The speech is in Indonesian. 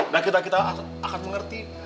dan kita kita akan mengerti